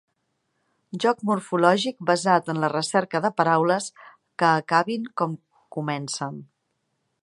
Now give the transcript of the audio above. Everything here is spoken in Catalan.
Joc morfològic basat en la recerca de paraules que acabin com comencen.